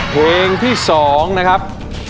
เพลงที่๒นะครับ